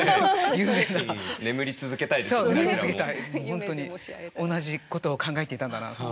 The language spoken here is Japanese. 本当に同じことを考えていたんだなと。